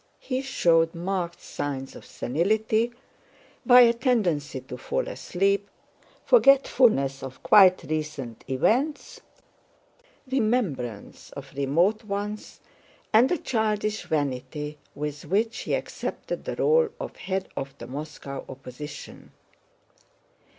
He showed marked signs of senility by a tendency to fall asleep, forgetfulness of quite recent events, remembrance of remote ones, and the childish vanity with which he accepted the role of head of the Moscow opposition.